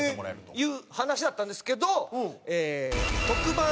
いう話だったんですけど。